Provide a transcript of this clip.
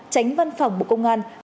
tránh văn phòng bộ công an